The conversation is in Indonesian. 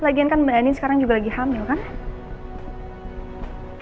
lagian kan mbak ani sekarang juga lagi hamil kan